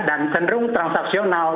dan cenderung transaksional